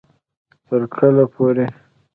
تر کله پورې